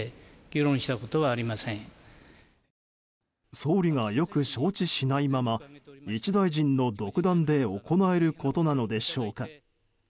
総理がよく承知しないまま一大臣の独断で行えることなのでしょうか。